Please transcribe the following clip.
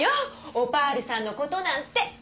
オパールさんのことなんて。